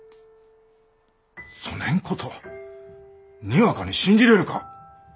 そねんことにわかに信じれるか。